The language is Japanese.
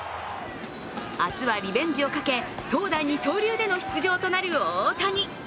明日はリベンジをかけ投打二刀流での出場となる大谷。